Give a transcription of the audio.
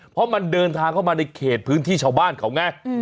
เพราะมันเดินทางเข้ามาในเขตพื้นที่ชาวบ้านเขาไง